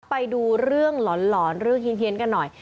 ไปดูเรื่องหลอนเรื่องเฮียนกันหน่อย